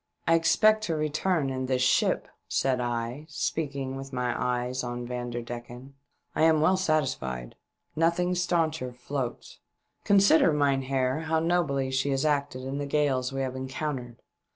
" I expect to return in this ship," said I, speaking with my eyes on Vanderdecken. "I am well satisfied. Nothing stauncher floats. Consider, mynheer, how nobly she has acted in the gales we have encountered.